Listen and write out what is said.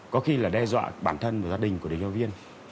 có khi là đe dọa bản thân và gia đình của điều tra viên